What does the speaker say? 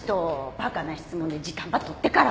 バカな質問で時間ば取ってから。